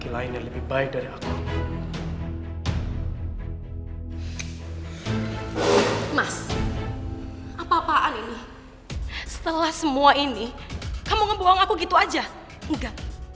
sampai jumpa di video selanjutnya